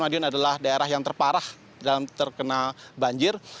madiun adalah daerah yang terparah dalam terkena banjir